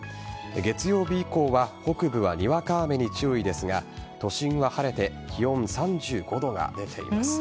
月曜日以降は北部はにわか雨に注意ですが都心は晴れて気温３５度が出ています。